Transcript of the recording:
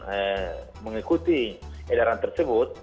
eee mengikuti edaran tersebut